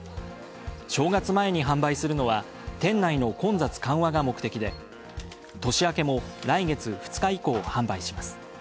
正月前に販売するのは店内の混雑緩和が目的で年明けも来月２日以降販売します。